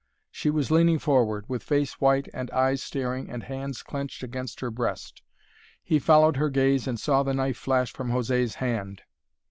She was leaning forward, with face white and eyes staring and hands clenched against her breast. He followed her gaze and saw the knife flash from José's hand.